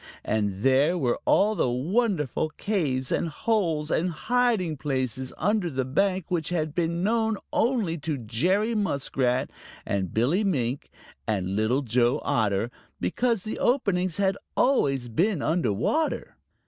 And there were all the wonderful caves and holes and hiding places under the bank which had been known only to Jerry Muskrat and Billy Mink and Little Joe Otter, because the openings had always been under water.